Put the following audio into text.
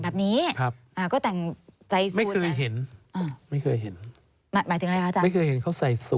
ไม่เคยเห็นใช่ไหม